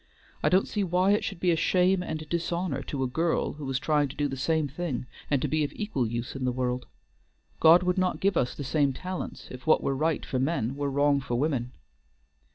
I don't see why it should be a shame and dishonor to a girl who is trying to do the same thing and to be of equal use in the world. God would not give us the same talents if what were right for men were wrong for women."